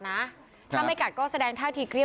นี่นี่นี่นี่นี่นี่